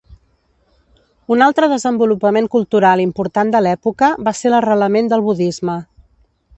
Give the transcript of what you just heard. Un altre desenvolupament cultural important de l'època va ser l'arrelament del budisme.